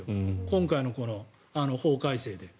今回のこの法改正で。